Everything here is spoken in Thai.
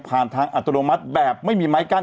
ผ่านทางอัตโนมัติแบบไม่มีไม้กั้น